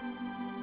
setiap senulun buat